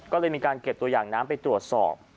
ก็เลยมีการเก็บตัวอย่างน้ำไปตรวจสอบ